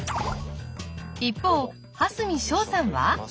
一方蓮見翔さんは？